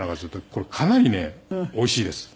これかなりねおいしいです。